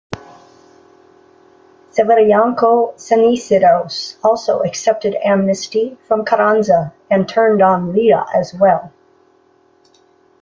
Severianco Ceniceros also accepted amnesty from Carranza and turned on Villa as well.